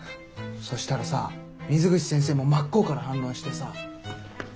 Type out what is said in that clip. そしたらさ水口先生も真っ向から反論してさ。